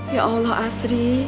ya allah asri